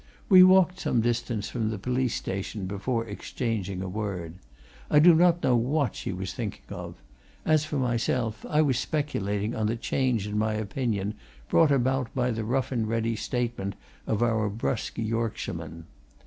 We walked some distance from the police station before exchanging a word: I do not know what she was thinking of; as for myself, I was speculating on the change in my opinion brought about by the rough and ready statement of the brusque Yorkshireman.